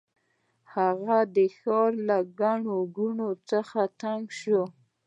هغه د ښار له ګڼې ګوڼې څخه تنګ شو.